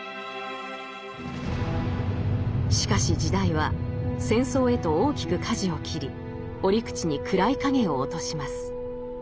しかし時代は戦争へと大きくかじを切り折口に暗い影を落とします。